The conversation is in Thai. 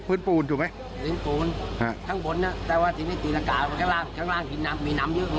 พื้นปูนทั้งบนนะแต่ว่าทิ้งนี่